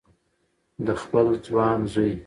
د خپل ځوان زوی